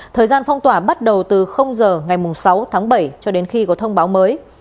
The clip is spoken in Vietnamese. thời gian phong tỏa bắt đầu từ giờ ngày sáu tháng bảy cho đến khi có thông báo mới